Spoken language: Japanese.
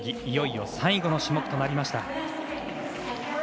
いよいよ最後の種目となりました。